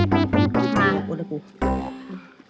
มาโอ้แล้วกู